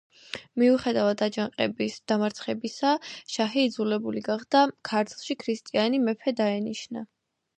მიუხედავად აჯანყების დამარცხებისა, შაჰი იძულებული გახდა ქართლში ქრისტიანი მეფე დაენიშნა.